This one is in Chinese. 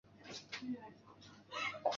我们现在就将科技纳入故事之中。